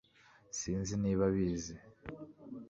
sinzi niba abizi